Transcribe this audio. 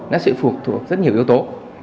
nó sẽ phụ thuộc vào rất nhiều yếu tố